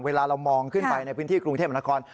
เวลาเรามองขึ้นไปในพื้นที่กรุงเทพนคร